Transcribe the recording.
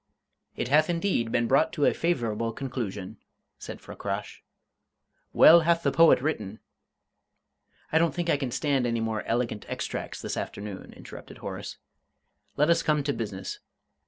"It hath indeed been brought to a favourable conclusion," said Fakrash. "Well hath the poet written " "I don't think I can stand any more 'Elegant Extracts' this afternoon," interrupted Horace. "Let us come to business.